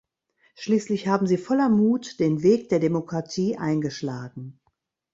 Schließlich haben sie voller Mut den Weg der Demokratie eingeschlagen.